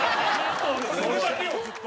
和田：それだけを、ずっと。